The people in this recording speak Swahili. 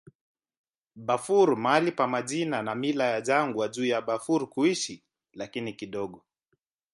Bafur mahali pa majina na mila ya jangwa juu ya Bafur kuishi, lakini kidogo.